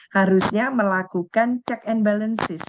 harusnya melakukan check and balances